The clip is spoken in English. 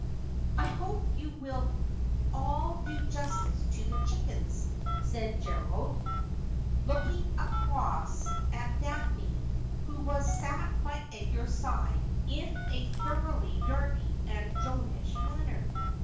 ' I hope you will all do justice to the chickens,' said Gerald, 344 Asphodel. looking across at Daphne, who sat by Edgar's side in a tho roughly Darby and Joanish manner.